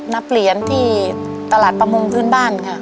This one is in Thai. นักเรียนที่ตลาดประมงพื้นบ้านค่ะ